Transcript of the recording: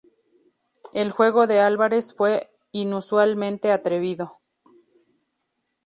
El juego de Álvarez fue "inusualmente atrevido".